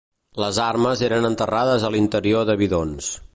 Les armes eren enterrades a l’interior de bidons.